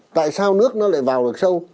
tại sao nước nó lại vào được sâu